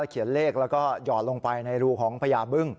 เขียนเลขแล้วก็หยอดลงไปในรูของพญาบึ้ง